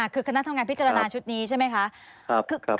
คือคณะทำงานพิจารณาชุดนี้ใช่ไหมคะ